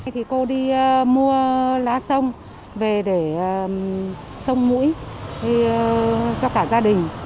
thì cô đi mua lá sông về để sông mũi cho cả gia đình